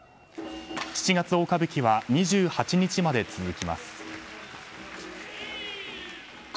「七月大歌舞伎」は２８日まで続きます。